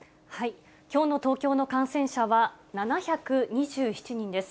きょうの東京の感染者は７２７人です。